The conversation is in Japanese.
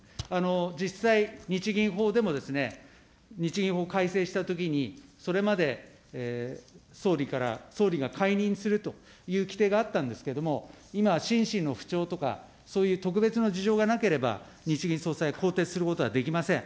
実際、日銀法でも、日銀法改正したときに、それまで総理から、総理が解任するという規定があったんですけれども、今は心身の不調とかそういう特別な事情がなければ日銀総裁は更迭することはできません。